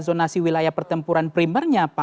zonasi wilayah pertempuran primernya